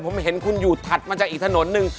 ผมเห็นคุณอยู่ถัดมาจากอีกถนนหนึ่ง